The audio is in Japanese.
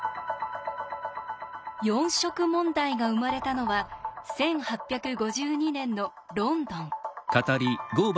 四色問題が生まれたのは１８５２年のロンドン。